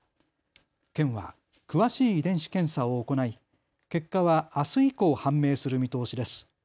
県は詳しい遺伝子検査を行い結果はあす以降、判明する見通しです。